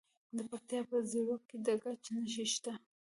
د پکتیکا په زیروک کې د ګچ نښې شته.